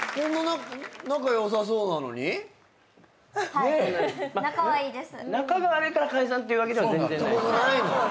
はい仲はいいです。